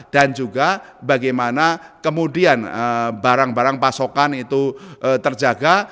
dan juga bagaimana kemudian barang barang pasokan itu terjaga